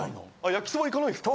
焼きそばいかないですか？